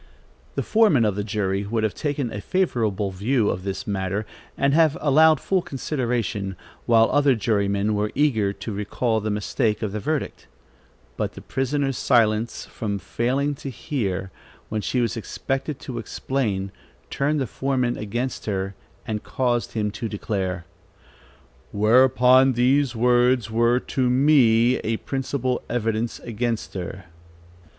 The foreman of the jury would have taken a favorable view of this matter, and have allowed full consideration, while other jurymen were eager to recall the mistake of the verdict; but the prisoner's silence from failing to hear, when she was expected to explain, turned the foreman against her, and caused him to declare: "Whereupon these words were to me a principal evidence against her."